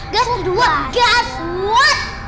gas dua gaswot